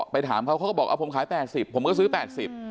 ไปถามเขาก็บอกผมขาย๘๐ผมก็ซื้อ๘๐